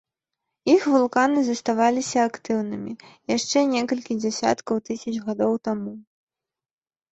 Іх вулканы заставаліся актыўнымі яшчэ некалькі дзясяткаў тысяч гадоў таму.